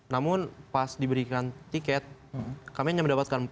namun pas diberikan tiket kami hanya mendapatkan